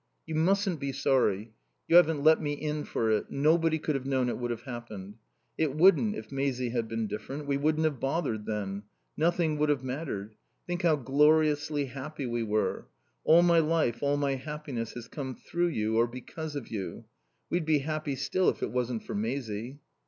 "You mustn't be sorry. You haven't let me in for it. Nobody could have known it would have happened. It wouldn't, if Maisie had been different. We wouldn't have bothered then. Nothing would have mattered. Think how gloriously happy we were. All my life all my happiness has come through you or because of you. We'd be happy still if it wasn't for Maisie."